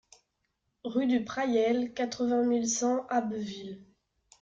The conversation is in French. Rue du Prayel, quatre-vingt mille cent Abbeville